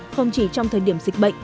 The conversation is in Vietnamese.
không chỉ trong thời điểm dịch bệnh